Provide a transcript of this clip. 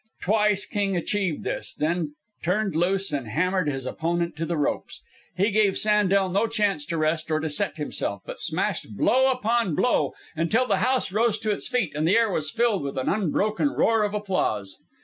Twice King achieved this, then turned loose and hammered his opponent to the ropes. He gave Sandel no chance to rest or to set himself, but smashed blow in upon blow till the house rose to its feet and the air was filled with an unbroken roar of applause.